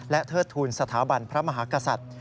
เทิดทูลสถาบันพระมหากษัตริย์